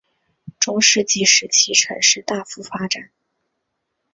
中世纪时期城市大幅发展。